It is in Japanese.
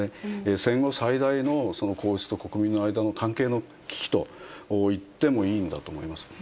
戦後最大の皇室と国民の間の関係の危機と言ってもいいんだと思います。